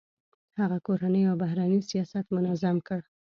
هغه کورنی او بهرنی سیاست منظم کړ.